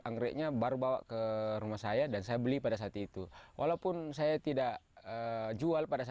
anggreknya baru bawa ke rumah saya dan saya beli pada saat itu walaupun saya tidak jual pada